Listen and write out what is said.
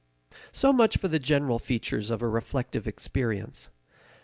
So much for the general features of a reflective experience.